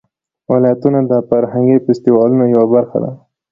ولایتونه د فرهنګي فستیوالونو یوه برخه ده.